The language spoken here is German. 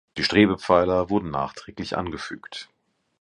Die Strebepfeiler wurden nachträglich angefügt.